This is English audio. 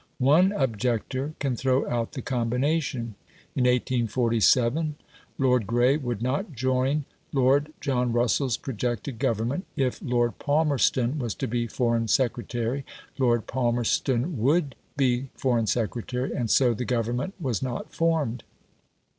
One objector can throw out the combination. In 1847 Lord Grey would not join Lord John Russell's projected Government if Lord Palmerston was to be Foreign Secretary; Lord Palmerston WOULD be Foreign Secretary, and so the Government was not formed.